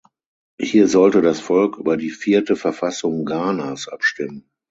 Hier sollte das Volk über die vierte Verfassung Ghanas abstimmen.